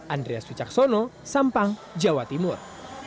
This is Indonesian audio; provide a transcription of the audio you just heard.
andreas wicaksono sampang jawa timur